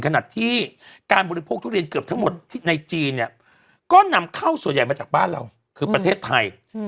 ขณะที่การบริโภคทุเรียนเกือบทั้งหมดในจีนเนี่ยก็นำเข้าส่วนใหญ่มาจากบ้านเราคือประเทศไทย